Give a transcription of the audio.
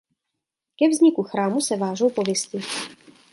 Ke vzniku chrámu se vážou pověsti.